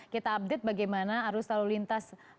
kita update bagaimana arus lalu lintas